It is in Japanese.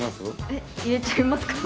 えっ入れちゃいますか？